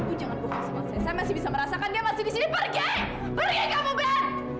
ibu jangan bohong sama saya saya masih bisa merasakan dia masih di sini pergi pergi kamu ben